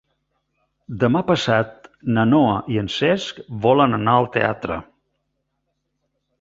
Demà passat na Noa i en Cesc volen anar al teatre.